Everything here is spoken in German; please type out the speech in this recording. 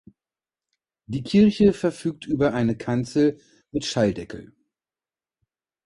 Die Kirche verfügt über eine Kanzel mit Schalldeckel.